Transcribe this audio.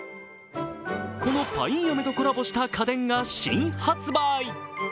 このパインアメとコラボした家電が新発売。